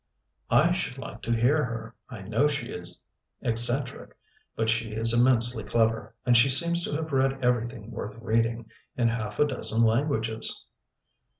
"I should like to hear her. I know she is eccentric; but she is immensely clever, and she seems to have read everything worth reading, in half a dozen languages."